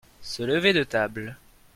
se lever de table.